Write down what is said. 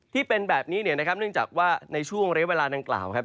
ที่เป็นแบบนี้เนี่ยนะครับเนื่องจากว่าในช่วงเรียกเวลาดังกล่าวครับ